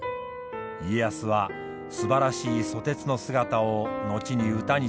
家康はすばらしい蘇鉄の姿を後に歌にしました。